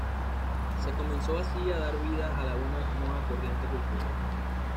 Se comenzó así a dar vida a una nueva corriente cultural.